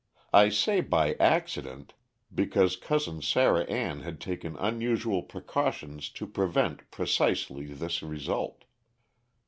I say by accident, because Cousin Sarah Ann had taken unusual precautions to prevent precisely this result.